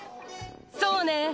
そうね。